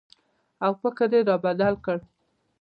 او فکر یې را بدل کړ